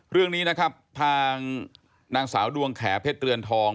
เรื่องนี้นะครับทางนางสาวดวงแขเพชรเรือนทอง